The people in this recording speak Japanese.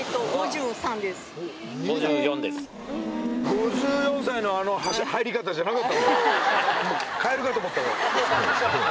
５４歳の入り方じゃなかったもん。